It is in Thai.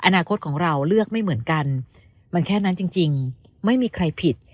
อนาคตของเราเลือกไม่เหมือนกันมันแค่นั้นจริงไม่มีใครผิด